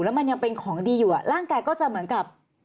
แล้วมันยังเป็นของดีอยู่ร่างกายก็จะเหมือนกับ